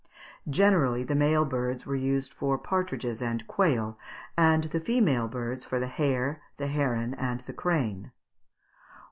_ Generally the male birds were used for partridges and quail, and the female birds for the hare, the heron, and crane.